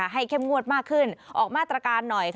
เข้มงวดมากขึ้นออกมาตรการหน่อย